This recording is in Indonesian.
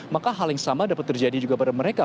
maka hal yang sama dapat terjadi juga pada mereka